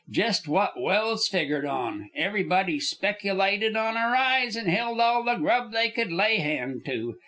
Jest what Welse figgered on, everybody speculated on a rise and held all the grub they could lay hand to.